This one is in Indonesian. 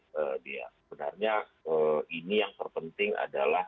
sebenarnya ini yang terpenting adalah